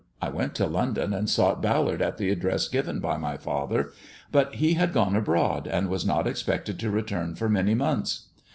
I went to London and sought Ballard at the address given by my father ; but he had gone abroad, and was not expected to return for many months.